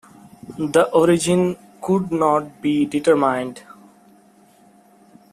The origin could not be determined.